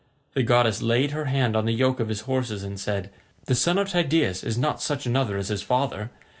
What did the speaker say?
The goddess laid her hand on the yoke of his horses and said, "The son of Tydeus is not such another as his father.